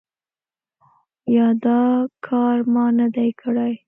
یا دا کار ما نه دی کړی ؟